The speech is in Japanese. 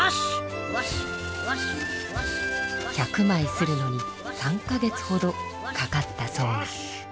１００まい刷るのに３か月ほどかかったそうな。